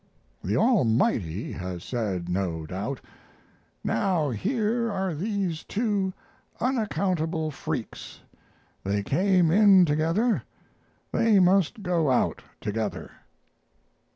The Almighty has said, no doubt: 'Now here are these two unaccountable freaks; they came in together, they must go out together.'